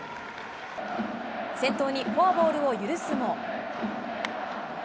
先頭にフォアボールを許すも。